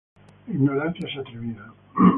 La ignorancia es atrevida